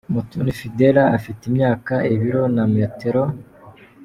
Umutoni Fidela afite imyaka , ibiro na metero .